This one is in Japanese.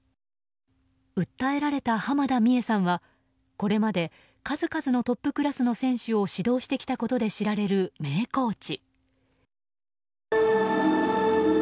訴えられた濱田美栄さんはこれまで数々のトップクラスの選手を指導してきたことで知られる名コーチ。